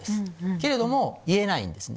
けれども言えないんですね